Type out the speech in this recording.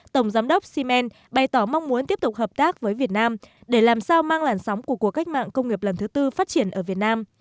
tổng giám đốc cm bày tỏ mong muốn tiếp tục hợp tác với việt nam để làm sao mang làn sóng của cuộc cách mạng công nghiệp lần thứ tư phát triển ở việt nam